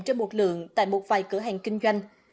trên một lượng tại một vài cửa hàng kinh doanh